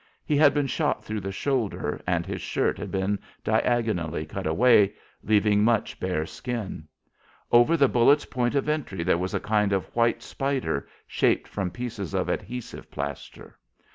He had been shot through the shoulder and his shirt had been diagonally cut away, leaving much bare skin. Over the bullet's point of entry there was a kind of a white spider, shaped from pieces of adhesive plaster.